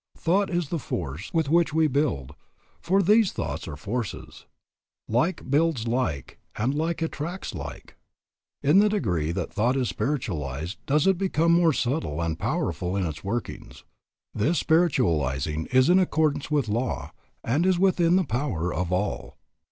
Thought is the force with which we build, for thoughts are forces. Like builds like and like attracts like. In the degree that thought is spiritualized does it become more subtle and powerful in its workings. This spiritualizing is in accordance with law and is within the power of all.